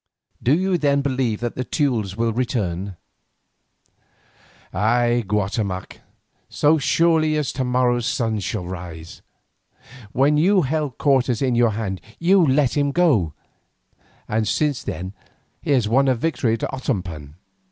Do you then believe that the Teules will return?" "Ay, Guatemoc, so surely as to morrow's sun shall rise. When you held Cortes in your hand you let him go, and since then he has won a victory at Otompan.